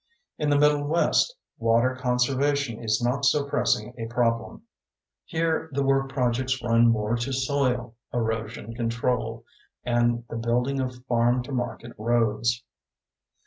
In the Middle West water conservation is not so pressing a problem. Here the work projects run more to soil erosion control and the building of farm to market roads.